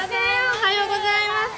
おはようございます。